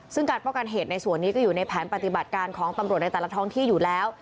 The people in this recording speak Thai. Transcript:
ซึ่งการป้องกันเหตุในส่วนนี้ก็อยู่ในแผนปฏิบัติการของตำรวจในแต่ละท้องที่อยู่แล้ว